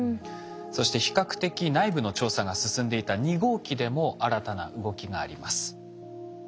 そして比較的内部の調査が進んでいた２号機でも新たな動きがあります。